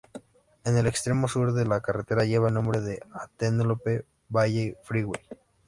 En el extremo sur de la carretera lleva el nombre de Antelope Valley Freeway.